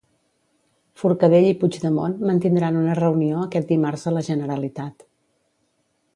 Forcadell i Puigdemont mantindran una reunió aquest dimarts a la Generalitat.